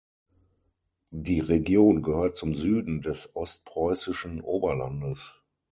Die Region gehört zum Süden des ostpreußischen Oberlandes.